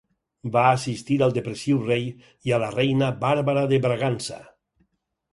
Va assistir al depressiu rei i a la reina Bàrbara de Bragança.